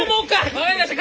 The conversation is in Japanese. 分かりました！